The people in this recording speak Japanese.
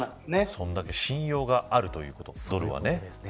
それだけ信用があるということですね。